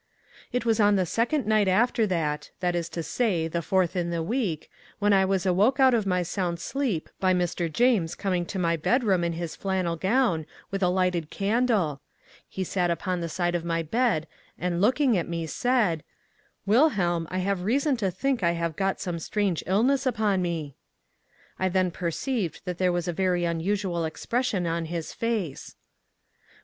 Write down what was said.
It was on the second night after that—that is to say, the fourth in the week—when I was awoke out of my sound sleep by Mr. James coming into my bedroom in his flannel gown, with a lighted candle. He sat upon the side of my bed, and looking at me, said: 'Wilhelm, I have reason to think I have got some strange illness upon me.' I then perceived that there was a very unusual expression in his face.